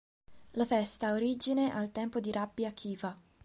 La festa ha origine al tempo di Rabbi Akiva.